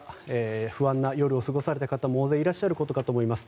不安な夜を過ごされた方も大勢いらっしゃることかと思います。